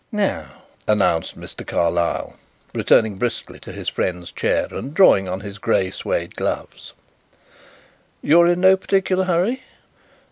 "Now," announced Mr. Carlyle, returning briskly to his friend's chair, and drawing on his grey suède gloves. "You are in no particular hurry?"